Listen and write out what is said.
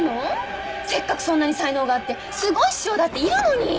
せっかくそんなに才能があってすごい師匠だっているのに！